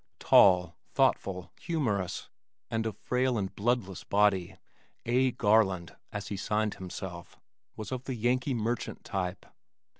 Tall, thoughtful, humorous and of frail and bloodless body, "A. Garland" as he signed himself, was of the Yankee merchant type.